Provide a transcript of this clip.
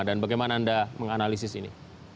dan bagaimana anda menganalisis ini